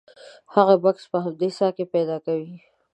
هغوی بکس په همدې څاه کې پیدا کوي.